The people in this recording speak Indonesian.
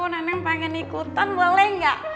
nenek pengen ikutan boleh gak